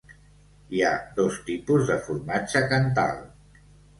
Hi ha dos tipus de formatge cantal.